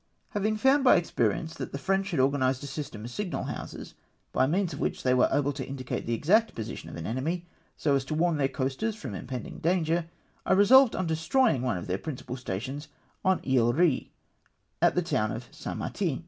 Having found by experience that the French had organised a system of signal houses, by means of which they were able . to indicate the exact position of an enemy, so as to warn their coasters from impending danger, I resolved on destroying one of theu" principal stations on Isle Ehe, at the town of St. Martin.